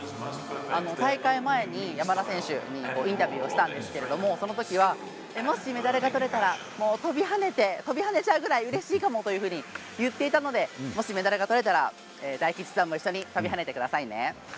大会前に、山田選手にインタビューをしたんですけどそのときはもしメダルがとれたら跳びはねちゃうくらいうれしいかも！というふうに言っていたのでもしメダルがとれたら大吉さんも一緒に跳びはねてくださいね。